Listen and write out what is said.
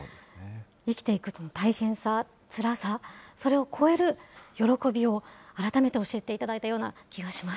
生きていく大変さ、つらさ、それをこえる喜びを、改めて教えていただいたような気がします。